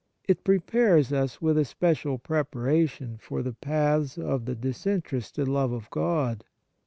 It prepares us with a special preparation for the paths of the disinterested love of God.